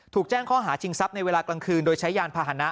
ถูกแจ้งข้อหาชิงทรัพย์ในเวลากลางคืนโดยใช้ยานพาหนะ